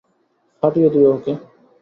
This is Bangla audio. ফাটিয়ে দিও, ওকে?